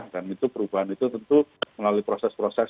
dan itu perubahan itu tentu melalui proses prosesnya